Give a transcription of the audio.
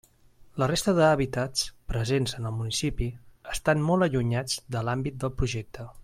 La resta d'hàbitats presents en el municipi estan molt allunyats de l'àmbit del Projecte.